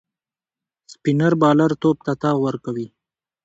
سپينر بالر توپ ته تاو ورکوي.